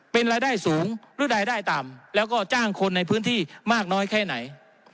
เป็นรายได้สูงหรือรายได้ต่ำแล้วก็จ้างคนในพื้นที่มากน้อยแค่ไหน